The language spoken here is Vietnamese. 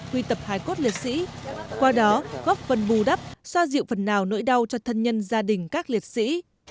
quy tập hải cốt liệt sĩ qua đó góp phần bù đắp xoa dịu phần nào nỗi đau cho thân nhân gia đình các liệt sĩ